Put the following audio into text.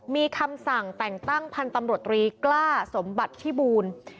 มีคำสั่งแต่งตั้งพันธ์ตำรวจตรีกล้าสมบัติพิบูล